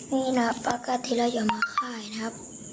นี่นะครับปากกัสที่เราจะมาค่ายนะครับ